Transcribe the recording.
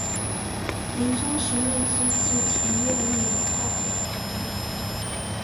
临终时命侄子田悦为留后。